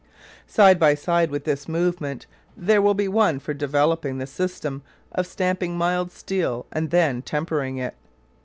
Side by side with this movement there will be one for developing the system of stamping mild steel and then tempering it.